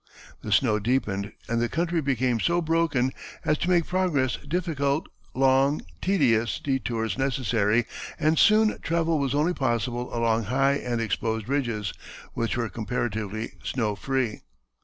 The snow deepened and the country became so broken as to make progress difficult, long, tedious detours necessary, and soon travel was only possible along high and exposed ridges, which were comparatively snow free.